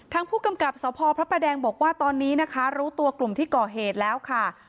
ทางผู้กำกับสพพระประแดงบอกว่าตอนนี้นะคะรู้ตัวกลุ่มที่ก่อเหตุแล้วค่ะ